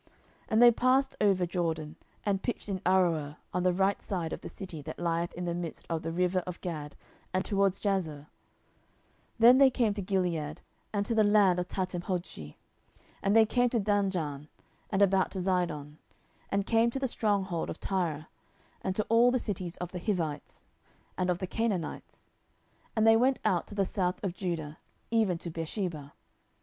10:024:005 And they passed over Jordan, and pitched in Aroer, on the right side of the city that lieth in the midst of the river of Gad, and toward Jazer: 10:024:006 Then they came to Gilead, and to the land of Tahtimhodshi; and they came to Danjaan, and about to Zidon, 10:024:007 And came to the strong hold of Tyre, and to all the cities of the Hivites, and of the Canaanites: and they went out to the south of Judah, even to Beersheba.